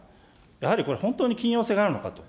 やはりこれ、本当に緊要性があるのかと。